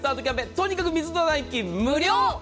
とにかく水の代金無料。